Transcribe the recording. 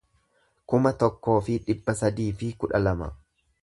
kuma tokkoo fi dhibba sadii fi kudha lama